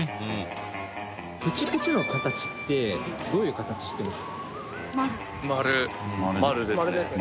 プチプチの形ってどういう形してますか？